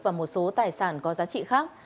và một số tài sản có giá trị khác